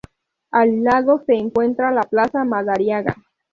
Al lado se encuentra la plaza Madariaga.